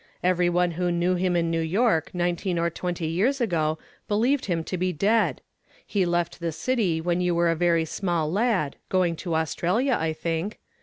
"Every one who knew him in New York nineteen or twenty years ago believed him to be dead. He left the city when you were a very small lad, going to Australia, I think.